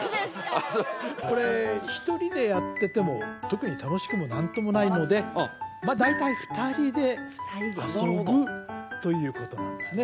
ああそうこれ１人でやってても特に楽しくも何ともないので大体２人で遊ぶということなんですね